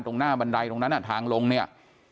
ตรงหน้าบันไดตรงนั้นทางลงเนี่ย